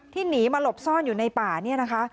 หนีมาหลบซ่อนอยู่ในป่านี่นะคะ